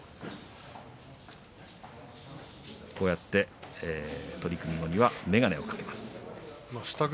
こうやって取組後には眼鏡を掛けます。